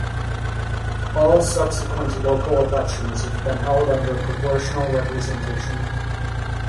All subsequent local elections have been held under proportional representation.